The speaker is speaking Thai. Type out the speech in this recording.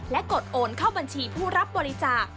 กดโอนเข้าบัญชีผู้รับบริจาค